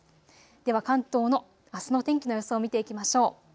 では関東のあすの天気の予想、見ていきましょう。